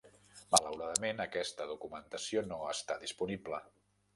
Malauradament, aquesta documentació no està disponible.